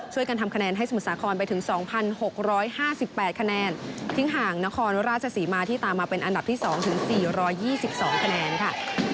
ช่วยกันทำคะแนนให้สมุทรสาครไปถึง๒๖๕๘คะแนนทิ้งห่างนครราชศรีมาที่ตามมาเป็นอันดับที่๒ถึง๔๒๒คะแนนค่ะ